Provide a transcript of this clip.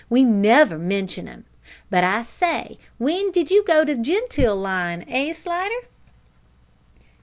we never mention 'im; but, I say, w'en did you go into the genteel line? eh, Slidder?"